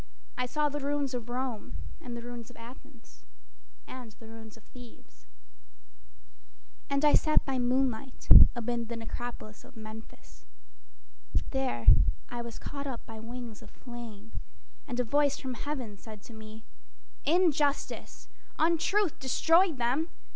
I saw the ruins of Rome And the ruins of Athens, And the ruins of Thebes. And I sat by moonlight amid the necropolis of Memphis. There I was caught up by wings of flame, And a voice from heaven said to me: "Injustice, Untruth destroyed them.